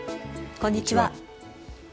こんにちは。